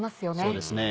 そうですね。